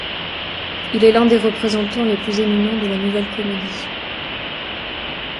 Il est l'un des représentants les plus éminents de la Nouvelle Comédie.